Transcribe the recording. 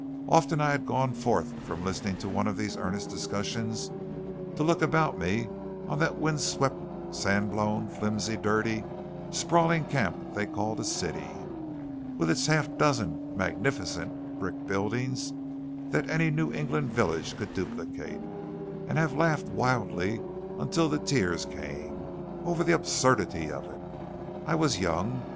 Often I have gone forth from listening to one of these earnest discussions to look about me on that wind swept, sandblown, flimsy, dirty, sprawling camp they called a city, with its half dozen "magnificent" brick buildings that any New England village could duplicate, and have laughed wildly until the tears came, over the absurdity of it. I was young.